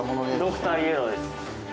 ドクターイエローです。